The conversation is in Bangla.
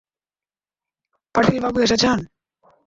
পাটিল বাবু এসেছেন।